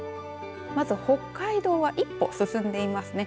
まず北海道は一歩進んでいますね。